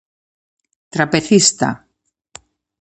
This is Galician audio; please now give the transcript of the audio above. Trapecista.